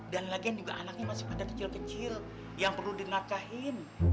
dan lagian juga anaknya masih pada kecil kecil yang perlu dinafkahin